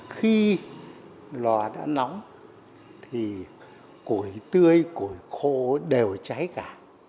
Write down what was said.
khi lò đã nóng thì củi tươi củi khô đều cháy cả